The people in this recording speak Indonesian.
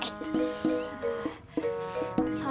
soalnya kan juleha pake